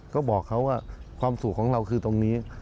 ก็บอกเขาว่าความสุขของเราคือตรงนี้